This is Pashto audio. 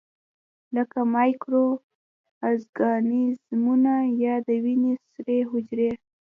لکه مایکرو ارګانیزمونه یا د وینې سرې حجرې.